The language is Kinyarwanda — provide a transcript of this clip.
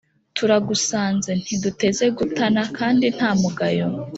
turagusanze ntiduteze gutana, kandi nta mugayo,